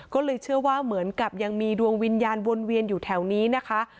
ก็เลยเชื่อว่าเหมือนกับยังมีดวงวิญญาณวนเวียนอยู่แถวนี้นะคะ